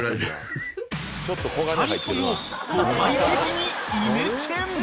［２人とも都会的にイメチェン］